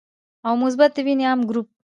او مثبت د وینې عام ګروپ دی